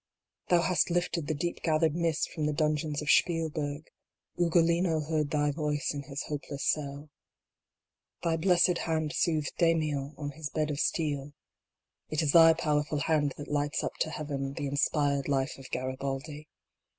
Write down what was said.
Thou hast lifted the deep gathered mist from the dungeons of Spielberg ; Ugolino heard thy voice in his hopeless cell : Thy blessed hand soothed Damiens on his bed of steel ; It is thy powerful hand that lights up to Heaven the in spired life of Garabaldi.